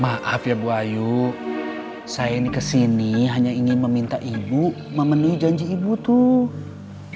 maaf ya bu ayu saya ini kesini hanya ingin meminta ibu memenuhi janji ibu tuh